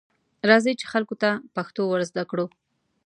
راځئ، چې خلکو ته پښتو ورزده کړو.